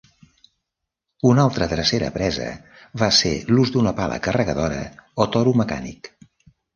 Una altra drecera presa va ser l'ús d'una pala carregadora o toro mecànic.